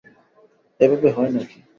এভাবে হয় না-কি?